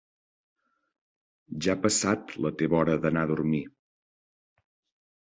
Ja ha passat la teva hora d'anar a dormir.